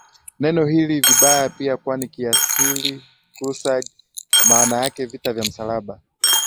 neno hili vibaya pia kwani kiasili Crusade maana yake Vita vya Msalaba